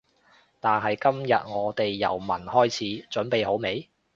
但係今日我哋由聞開始，準備好未？